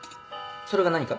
それが何か？